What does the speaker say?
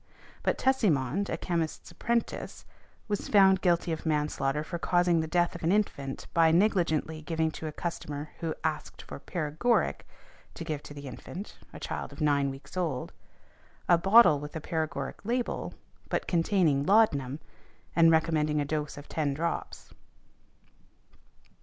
But Tessymond, a chemist's apprentice, was found guilty of manslaughter for causing the death of an infant by negligently giving to a customer who asked for paregoric to give to the infant (a child of nine weeks old), a bottle with a paregoric label, but containing laudanum, and recommending a dose of ten drops .